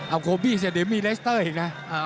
เอาโคบี้เสร็จเดี๋ยวมีเลสเตอร์อีกนะ